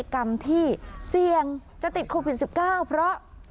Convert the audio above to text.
คุณค่ะ